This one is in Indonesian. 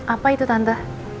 apa itu tante